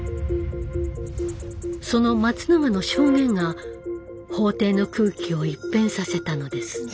その松永の証言が法廷の空気を一変させたのです。